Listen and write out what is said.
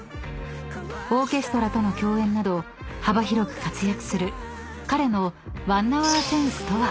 ［オーケストラとの共演など幅広く活躍する彼の］